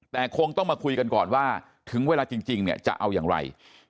แต่คงต้องมาคุยกันก่อนว่าถึงเวลาจริงเนี่ยจะเอาอย่างไร